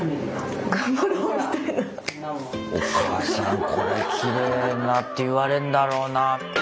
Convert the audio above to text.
おかあさんこれきれいなって言われんだろうな。